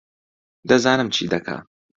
دەزانم چی دەکا